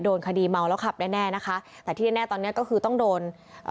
โดนคดีเมาแล้วขับแน่แน่นะคะแต่ที่แน่แน่ตอนเนี้ยก็คือต้องโดนเอ่อ